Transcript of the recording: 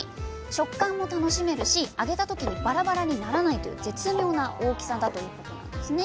食感も楽しめるし揚げた時にバラバラにならないという絶妙な大きさだということなんですね。